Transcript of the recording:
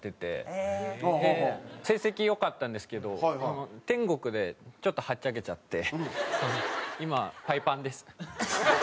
成績良かったんですけど天国でちょっとはっちゃけちゃって今パイパンです。